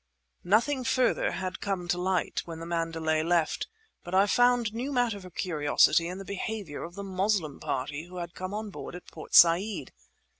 Nothing further had come to light when the Mandalay left, but I found new matter for curiosity in the behaviour of the Moslem party who had come on board at Port Said.